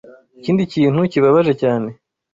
ikindi kintu kibabaje cyane